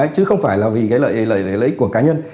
chứ không phải là vì cái lợi lợi ích của cá nhân